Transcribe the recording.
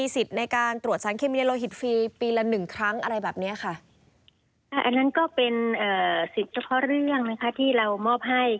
สิทธิ์เฉพาะเรื่องนะคะที่เรามอบให้